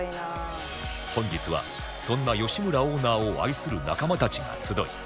本日はそんな吉村オーナーを愛する仲間たちが集い